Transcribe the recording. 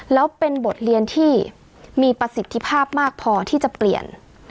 แล้วเป็นบทเรียนที่มีประสิทธิภาพมากพอที่จะเปลี่ยน